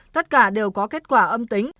tất cả đều có kết quả âm tính